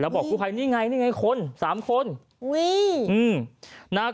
บอกลูกไพม์มีคนนี่ไง๓คน